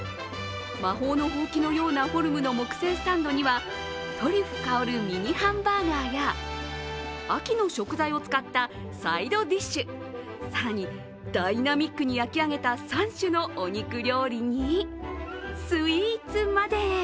魔法のほうきのようなフォルムの木製スタンドにはトリュフ香るミニハンバーガーや秋の食材を使ったサイドディッシュ、更にダイナミックに焼き上げた３種のお肉料理に、スイーツまで。